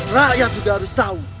rakyat juga harus tahu